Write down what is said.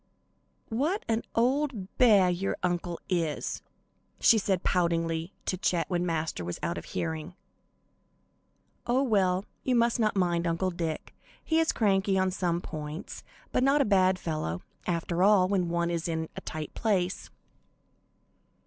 "What an old beah your uncle is," she said, poutingly, to Chet when Master was out of hearing. "Oh well, you must not mind Uncle Dick; he is cranky on some points, but not a bad fellow, after all, when one is in a tight place."